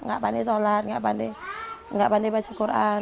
gak pandai sholat gak pandai baca quran